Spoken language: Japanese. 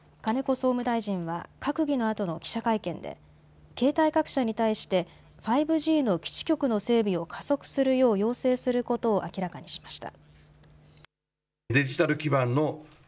総務大臣は閣議のあとの記者会見で携帯各社に対して５Ｇの基地局の整備を加速するよう要請することを明らかにしました。